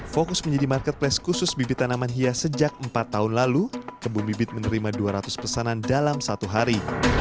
fokus menjadi marketplace khusus bibit tanaman hias sejak empat tahun lalu kebun bibit menerima dua ratus pesanan dalam satu hari